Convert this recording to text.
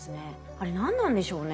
あれ何なんでしょうね？